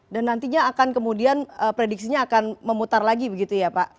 dan nantinya akan kemudian prediksinya akan memutar lagi begitu ya pak